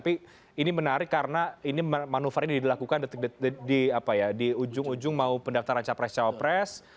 tapi ini menarik karena ini manuvernya dilakukan di apa ya di ujung ujung mau pendaftaran cawapres cawapres